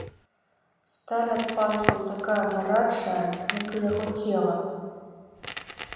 Сталь ад пальцаў такая гарачая, як і яго цела.